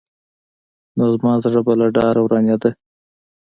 نو زما زړه به له ډاره ورانېده.